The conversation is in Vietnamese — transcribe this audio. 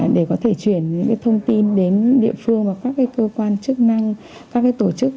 để có thể chuyển những cái thông tin đến địa phương và các cái cơ quan chức năng các cái tổ chức